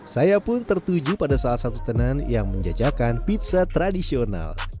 saya pun tertuju pada salah satu tenan yang menjajakan pizza tradisional